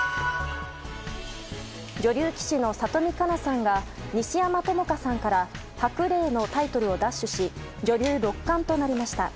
女流棋士の里見香奈さんが西山朋佳さんから白玲のタイトルを奪取し女流六冠となりました。